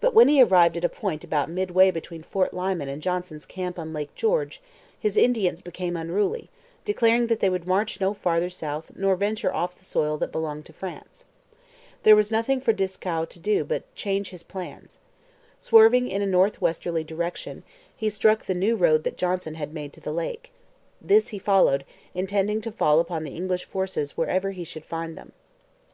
But when he arrived at a point about midway between Fort Lyman and Johnson's camp on Lake George, his Indians became unruly, declaring that they would march no farther south nor venture off the soil that belonged to France. There was nothing for Dieskau to do but to change his plans. Swerving in a north westerly direction, he struck the new road that Johnson had made to the lake. This he followed, intending to fall upon the English forces wherever he should find them.